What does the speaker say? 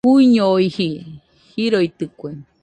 Juñoiji joroitɨkue.